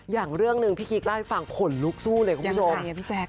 อย่างเรื่องหนึ่งพี่กิ๊กเล่าให้ฟังขนลุกสู้เลยคุณผู้ชม